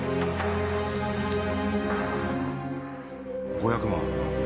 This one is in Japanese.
５００万あるな。